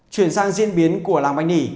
chuyển sang diễn biến của làng bánh nỉ